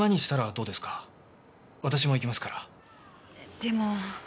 でも。